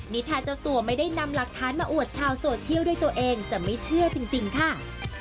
นี่ถ้าเจ้าตัวไม่ได้นำหลักฐานมาอวดชาวโซเชียลด้วยตัวเองจะไม่เชื่อจริงค่ะ